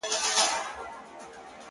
• داسي وخت هم وو مور ويله راتــــــــــه ـ